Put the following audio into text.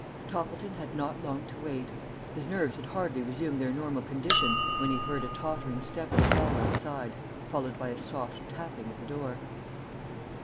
TOPPLETON had not long to wait. His nerves had hardly resumed their normal condition when he heard a tottering step in the hall outside, followed by a soft tapping at the door.